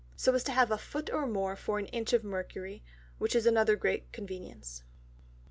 So as to have a Foot or more for an Inch of Mercury, which is another great convenience.